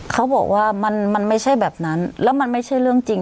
เขาบอกว่ามันมันไม่ใช่แบบนั้นแล้วมันไม่ใช่เรื่องจริง